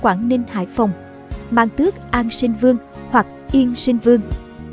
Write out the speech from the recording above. quảng ninh hải phòng mang tước an sinh vương hoặc yên sinh vương